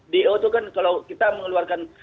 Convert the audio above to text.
do itu kan kalau kita mengeluarkan